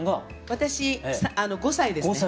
私５歳ですね。